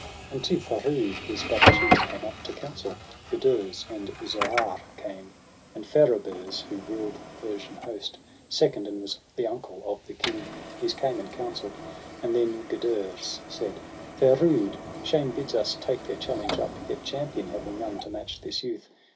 And to Ferood his brother chiefs came up To counsel ; Gudurz and Zoarrah came, And Feraburz, who ruled the Persian host Second, and was the uncle of the King; These came and counsell'd, and then Gudurz said :— 'Ferood, shame bids us take their challenge up. Yet champion have we none to match this youth.